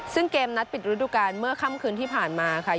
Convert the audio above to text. ซึ่งเกมนัดปิดฤดูการเมื่อค่ำคืนที่ผ่านมาค่ะ